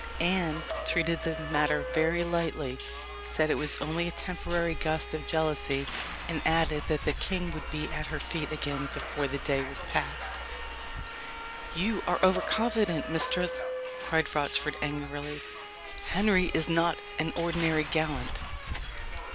Anne treated the matter very lightly said it was only a temporary gust of jealousy and added that the king would be at her feet again before the day was past. "You are over confident, mistress!" cried Rochford angrily. "Henry is not an ordinary gallant."